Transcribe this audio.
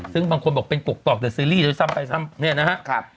ซึ่งบางคนบอกเป็นกรกกรอกเดี๋ยวซีรีส์จะซ้ำไปซ้ำเนี่ยนะฮะครับ